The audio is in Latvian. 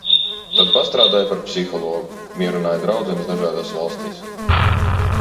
Tad pastrādāju par psihologu - mierināju draudzenes dažādas valstīs.